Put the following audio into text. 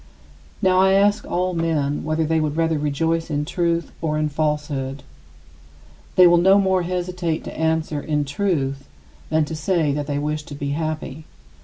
Now I ask all men whether they would rather rejoice in truth or in falsehood. They will no more hesitate to answer, "In truth," than to say that they wish to be happy.